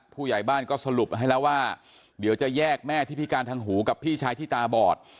ผู้ใหญ่บ้านก็สรุปให้แล้วว่าเดี๋ยวจะแยกแม่ที่พิการทางหูกับพี่ชายที่ตาบอด